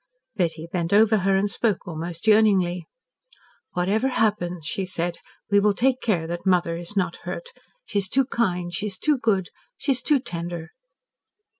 Betty bent over her and spoke almost yearningly. "Whatever happens," she said, "we will take care that mother is not hurt. She's too kind she's too good she's too tender."